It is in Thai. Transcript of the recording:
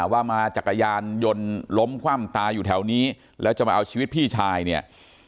ว่ามาจักรยานยนต์ล้มคว่ำตายอยู่แถวนี้แล้วจะมาเอาชีวิตพี่ชายเนี่ย